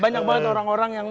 banyak banget orang orang yang